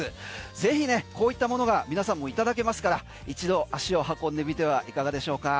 ぜひね、こういったものが皆さんもいただけますから一度、足を運んでみてはいかがでしょうか？